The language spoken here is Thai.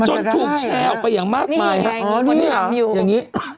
จนถูกแฉอออกไปอย่างมากมายอ้อเนี่ยครับ